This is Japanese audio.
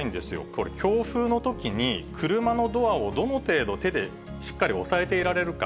これ、強風のときに車のドアをどの程度手でしっかり押さえていられるか。